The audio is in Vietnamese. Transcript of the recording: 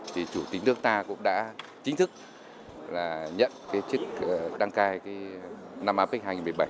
thì chủ tính nước ta cũng đã chính thức nhận chức đăng cài năm apec hai nghìn một mươi bảy